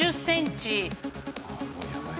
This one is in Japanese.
うわもうやばい。